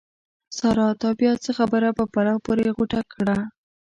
سارا! تا بیا څه خبره په پلو پورې غوټه کړه؟!